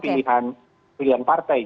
ini kan pilihan partai